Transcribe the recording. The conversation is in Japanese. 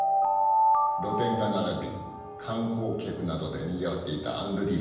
露店が並び観光客などでにぎわっていたアンドリー坂。